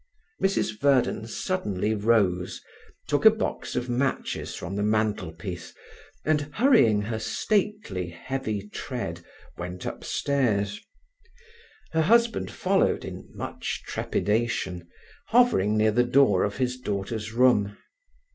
Mrs. Verden suddenly rose, took a box of matches from the mantelpiece, and hurrying her stately, heavy tread, went upstairs. Her husband followed in much trepidation, hovering near the door of his daughter's room.